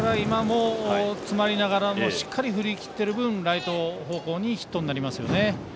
詰まりながらもしっかり振りきっている分ライト方向のヒットになりますね。